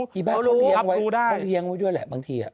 ที่เกิดบ๊ายก็เลี้ยงไว้ไม่รู้ด้วยแหละ